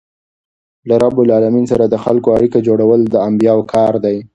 له رب العالمین سره د خلکو اړیکه جوړول د انبياوو کار دئ.